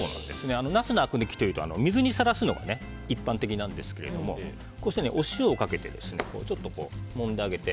ナスのあく抜きというと水にさらすのが一般的ですがこうしてお塩をかけてちょっともんであげて。